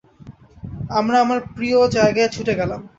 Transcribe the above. আমরা আমার প্রিয় জায়গায় ছুটে গেলাম।